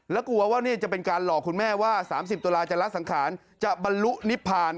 แล้วกลัวว่านี่จะเป็นการหลอกคุณแม่ว่า๓๐ตุลาจะละสังขารจะบรรลุนิพพาน